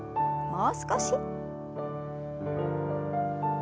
もう少し。